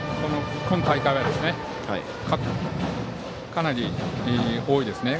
今大会はかなり多いですね。